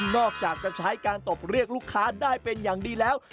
อกจากจะใช้การตบเรียกลูกค้าได้เป็นอย่างดีแล้ว